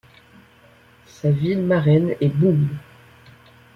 Sa ville marraine est Boom.